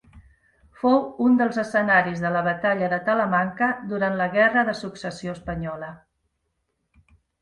Fou un dels escenaris de la Batalla de Talamanca durant la guerra de successió espanyola.